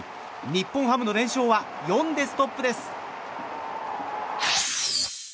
日本ハムの連勝は４でストップです。